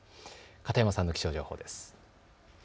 片山さんの気象情報です。